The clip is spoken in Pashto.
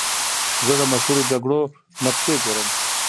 زه د مشهورو جګړو نقشې ګورم.